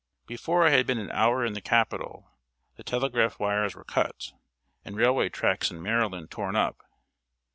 Before I had been an hour in the Capital, the telegraph wires were cut, and railway tracks in Maryland torn up.